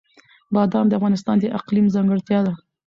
بادام د افغانستان د اقلیم ځانګړتیا ده.